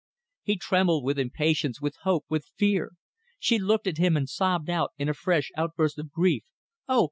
He trembled with impatience, with hope, with fear. She looked at him and sobbed out in a fresh outburst of grief "Oh!